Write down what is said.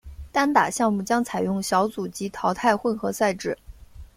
单打项目将采用小组及淘汰混合赛制。